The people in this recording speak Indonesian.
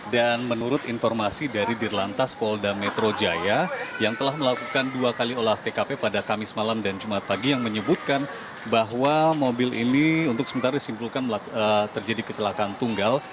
dan menurut informasi dari dirlantas polda metro jaya yang telah melakukan dua kali olah tkp pada kamis malam dan jumat pagi yang menyebutkan bahwa mobil ini untuk sementara disimpulkan terjadi kecelakaan tunggal